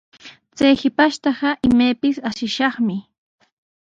Chay shipashtaqa imaypis ashishaqmi.